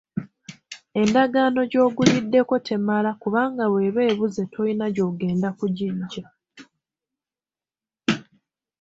Endagaano gy’oguliddeko temala kubanga bw’eba ebuze tolina gy’ogenda kugiggya.